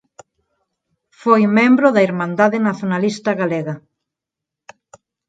Foi membro da Irmandade Nazonalista Galega.